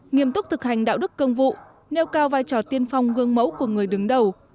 nghiêm túc thực hành đạo đức công vụ nêu cao vai trò tiên phong gương mẫu của người đứng đầu